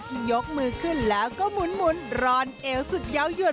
ยกมือขึ้นแล้วก็หมุนรอนเอวสุดเยาวหยุด